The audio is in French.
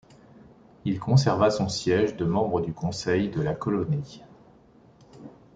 Il conserva son siège de membre du conseil de la colonie.